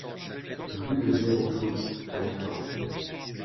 Rue de Gérofosse à Étampes